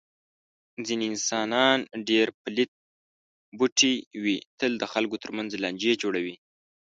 ځنې انسانان ډېر پلیت بوټی وي. تل د خلکو تر منځ لانجې جوړوي.